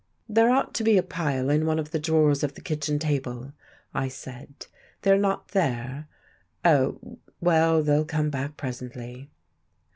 "There ought to be a pile in one of the drawers of the kitchen table," I said. "They are not there? Oh, well, they'll come back presently!"